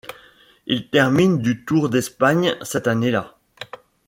Il termine du Tour d'Espagne cette année-là.